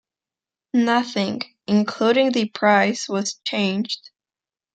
Nothing, including the price, was changed.